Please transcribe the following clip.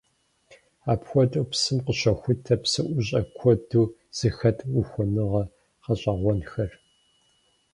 Апхуэдэу псым къыщохутэ псыӀущӀэ куэду зэхэт ухуэныгъэ гъэщӀэгъуэнхэр.